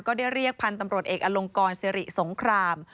เรียกพันธุ์ตำรวจเอกอลงกรสิริสงคราม